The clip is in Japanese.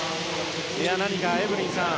何かエブリンさん